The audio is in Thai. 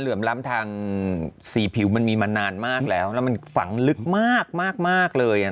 มล้ำทางสีผิวมันมีมานานมากแล้วแล้วมันฝังลึกมากมากเลยอ่ะ